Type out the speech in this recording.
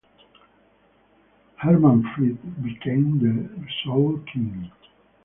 Hermanfrid became the sole king.